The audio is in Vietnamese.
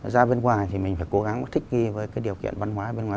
ra bên ngoài thì mình phải cố gắng thích ghi với cái điều kiện văn hóa bên ngoài